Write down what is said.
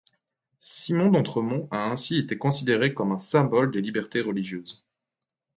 Simon d'Entremont a ainsi été considéré comme un symbole des libertés religieuses.